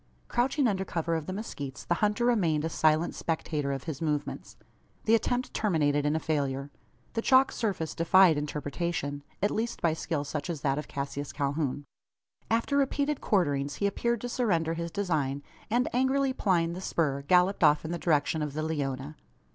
Crouching under cover of the mezquites, the hunter remained a silent spectator of his movements. The attempt terminated in a failure. The chalk surface defied interpretation at least by skill such as that of Cassius Calhoun. After repeated quarterings he appeared to surrender his design; and, angrily plying the spur, galloped off in the direction of the Leona.